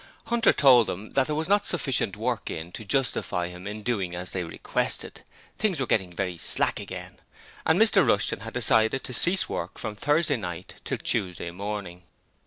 Hunter told them that there was not sufficient work in to justify him in doing as they requested: things were getting very slack again, and Mr Rushton had decided to cease work from Thursday night till Tuesday morning.